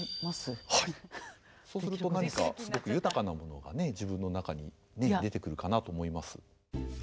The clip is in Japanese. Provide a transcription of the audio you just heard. そうすると何かすごく豊かなものがね自分の中にね出てくるかなと思います。